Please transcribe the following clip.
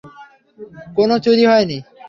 কোনো চুরি হয়নি।